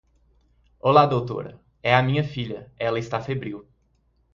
Olá Doutora, é a minha filha, ela está febril.